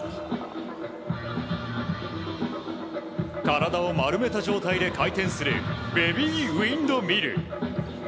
体を丸めた状態で回転するベビーウインドミル。